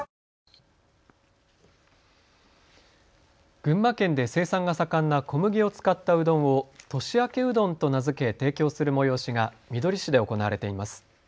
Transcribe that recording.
群馬県で生産が盛んな小麦を使ったうどんを年明けうどんと名付け提供する催しがみどり市で行われています。